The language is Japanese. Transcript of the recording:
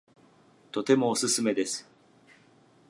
とてもおすすめです